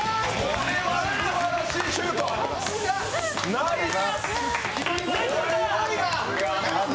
これはすばらしいシュート、ナイス。